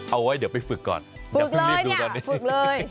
เอาไว้เดี๋ยวไปฝึกก่อนฝึกเลยเนี่ยฝึกเลย